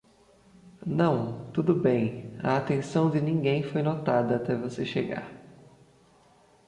Não, tudo bem, a atenção de ninguém foi notada até você chegar.